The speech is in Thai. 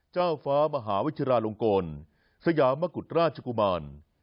เจ้าฟ้ามหาวิทยาลงกลสยามกุฎราชกุมาร